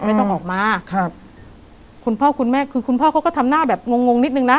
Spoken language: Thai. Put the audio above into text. ต้องออกมาครับคุณพ่อคุณแม่คือคุณพ่อเขาก็ทำหน้าแบบงงงนิดนึงนะ